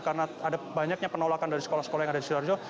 karena ada banyaknya penolakan dari sekolah sekolah yang ada di sidoarjo